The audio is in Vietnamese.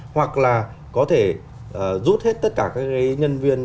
hoặc là có thể rút hết tất cả các nhân viên